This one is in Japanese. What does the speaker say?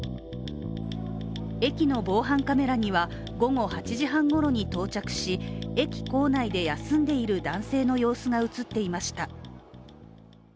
駅の防犯カメラには、午後８時半ごろに到着し駅構内で休んでいる男性の様子が映っていました。